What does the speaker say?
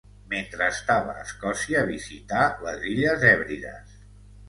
Mentre estava a Escòcia visità les Illes Hèbrides.